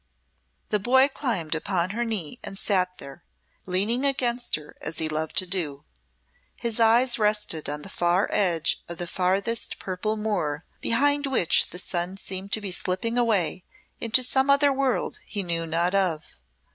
The boy climbed upon her knee and sat there, leaning against her as he loved to do. His eyes rested on the far edge of the farthest purple moor, behind which the sun seemed to be slipping away into some other world he knew not of.